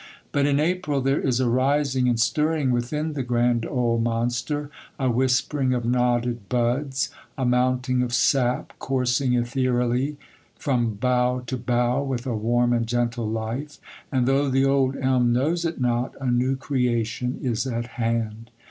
But in April there is a rising and stirring within the grand old monster,—a whispering of knotted buds, a mounting of sap coursing ethereally from bough to bough with a warm and gentle life; and though the old elm knows it not, a new creation is at hand.